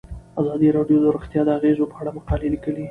ازادي راډیو د روغتیا د اغیزو په اړه مقالو لیکلي.